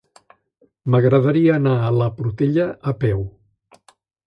M'agradaria anar a la Portella a peu.